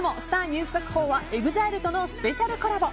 ニュース速報はＥＸＩＬＥとのスペシャルコラボ。